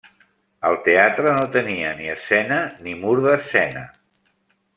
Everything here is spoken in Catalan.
El teatre no tenia ni escena ni mur d'escena.